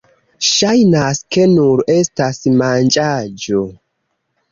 Ŝajnas, ke nur estas manĝaĵo